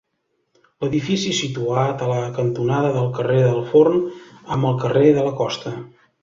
Edifici situat a la cantonada del carrer del Forn amb el carrer de la Costa.